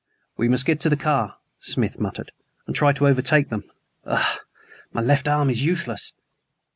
"We must get to the car," Smith muttered, "and try to overtake them. Ugh! my left arm is useless."